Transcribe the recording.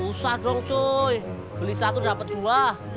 usah dong cuy beli satu dapat dua